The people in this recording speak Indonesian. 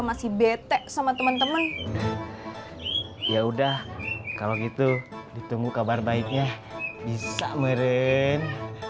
masih bete sama temen temen ya udah kalau gitu ditunggu kabar baiknya bisa meren